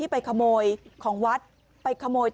นั่งเฉย